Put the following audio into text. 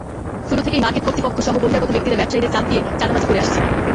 শুরু থেকেই মার্কেট কর্তৃপক্ষসহ বহিরাগত ব্যক্তিরা ব্যবসায়ীদের চাপ দিয়ে চাঁদাবাজি করে আসছে।